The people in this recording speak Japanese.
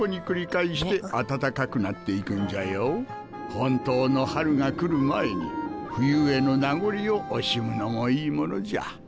本当の春が来る前に冬への名残を惜しむのもいいものじゃ。